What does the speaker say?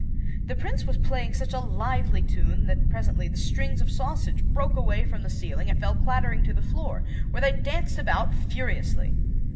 The Prince was playing such a lively tune, that presently the strings of sausage broke away from the ceiling and fell clattering to the floor, where they danced about furiously.